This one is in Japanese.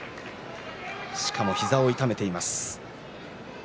しかも左膝を痛めています。